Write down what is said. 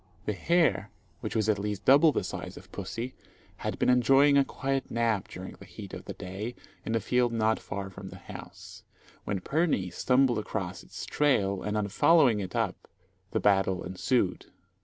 The hare, which was at least double the size of pussy, had been enjoying a quiet nap during the heat of the day, in a field not far from the house, when Pirnie stumbled across its trail, and on following it up the battle ensued.